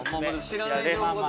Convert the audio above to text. こちらです